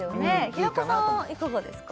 平子さんはいかがですか？